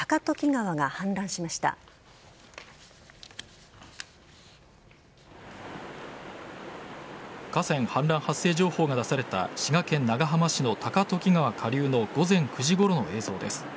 河川氾濫発生情報が出された滋賀県長浜市の高時川下流の午前９時ごろの映像です。